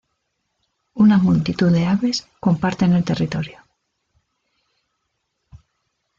Una multitud de aves comparten el territorio.